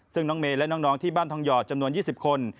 ซึ่งน้องเมย์และน้องที่บ้านทองหยอดจำนวน๒๐คน